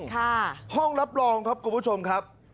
ห้องรับรองครับคุณผู้ชมครับ